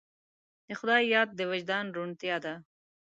د خدای یاد د وجدان روڼتیا ده.